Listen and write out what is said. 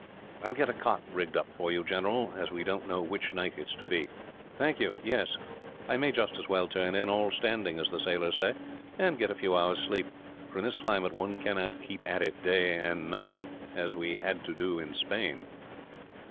"I will get a cot rigged up for you, General, as we don't know which night it is to be." "Thank you. Yes, I may just as well turn in, all standing, as the sailors say, and get a few hours' sleep; for in this climate one cannot keep at it, night and day, as we had to do in Spain."